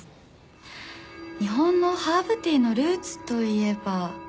日本のハーブティーのルーツといえば。